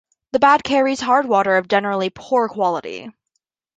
The Bad carries hard water of generally poor quality.